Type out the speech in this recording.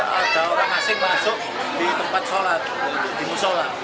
ada orang asing masuk di tempat sholat di musola